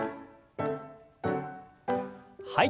はい。